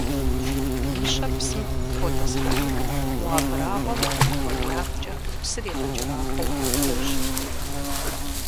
Мыщэр псым хотӀысхьэри, мо абрагъуэм и хъуреягъкӀэ псыр игъэкӀэрахъуэу хуожьэ.